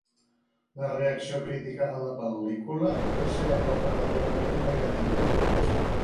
La reacció crítica a la pel·lícula va ser aclaparadorament negativa.